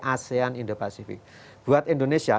asean indo pacific buat indonesia